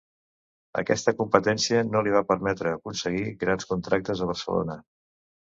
Aquesta competència no li va permetre aconseguir grans contractes a Barcelona.